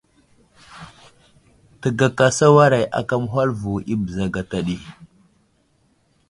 Təgaka sawaray aka məhwal vo i bəza gata ɗi.